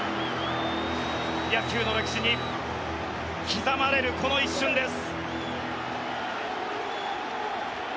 野球の歴史に刻まれるこの一瞬です。